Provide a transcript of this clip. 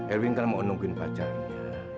erwin kan mau nungguin pacarnya